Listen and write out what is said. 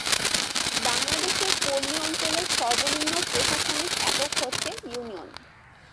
বাংলাদেশের পল্লী অঞ্চলের সর্বনিম্ন প্রশাসনিক একক হচ্ছে ইউনিয়ন।